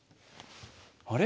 あれ？